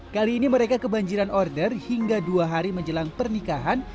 kali ini mereka kebanjiran order hingga dua hari menjelang pernikahan